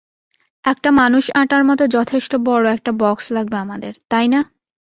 একটা মানুষ আঁটার মতো যথেষ্ট বড়ো একটা বক্স লাগবে আমাদের, তাই না?